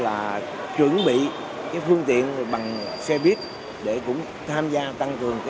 là chuẩn bị phương tiện bằng xe buýt